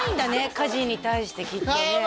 家事に対してきっとねああ